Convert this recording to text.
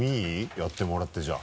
やってもらってじゃあ。